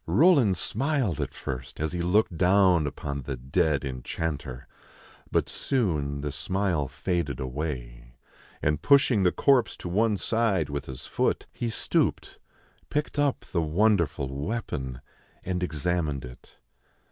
Roland smiled at first, as he looked down upon the dead enchanter; but soon the smile faded away, and, pushing the corpse to one side with his foot, he stooped, picked up the won derful weapon, and examined it.